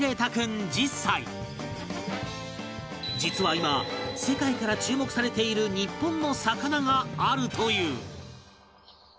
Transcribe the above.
実は今世界から注目されている日本の魚があるという